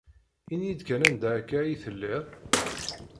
Ini-iyi-d kan anda akka ay telliḍ?